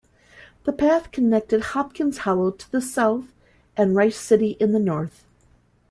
The path connected Hopkins Hollow to the south and Rice City in the north.